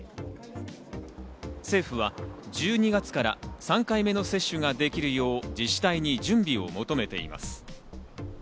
政府は１２月から３回目の接種ができるよう自治体に準備を求めています。